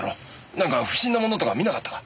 なんか不審なものとか見なかったか？